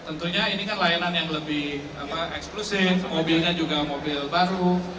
tentunya ini kan layanan yang lebih eksklusif mobilnya juga mobil baru